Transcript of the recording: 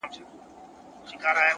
پوه انسان د ناپوهۍ منلو جرئت لري,